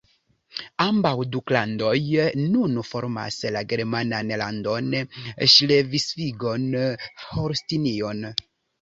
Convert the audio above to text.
Ambaŭ duklandoj nun formas la germanan landon Ŝlesvigon-Holstinion.